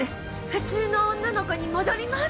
普通の女の子に戻ります！